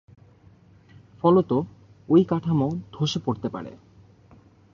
ফলত, ঐ কাঠামো ধ্বসে পড়তে পারে।